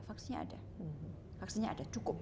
vaksinnya ada vaksinnya ada cukup